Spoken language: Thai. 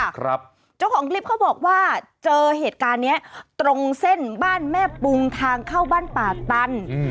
เจ้าของคลิปเขาบอกว่าเจอเหตุการณ์เนี้ยตรงเส้นบ้านแม่ปุงทางเข้าบ้านป่าตันอืม